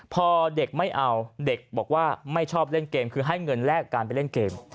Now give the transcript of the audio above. พอเด็กไม่เอาเด็กบอกว่าไม่ชอบเล่นเกมคือให้เงินแลกการไปเล่นเกม